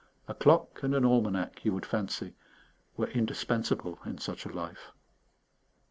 A clock and an almanack, you would fancy, were indispensable in such a life....